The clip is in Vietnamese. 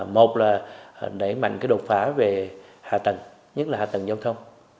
một là đẩy mạnh cái đột phá về hạ tầng nhất là hạ tầng giao thông